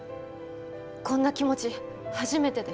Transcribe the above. こんな気持ち初めてで。